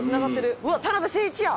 「うわっ田辺誠一や！」